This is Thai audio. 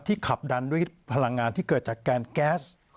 ขับดันด้วยพลังงานที่เกิดจากแกนแก๊ส